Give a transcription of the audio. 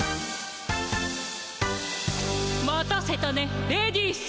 待たせたねレディース。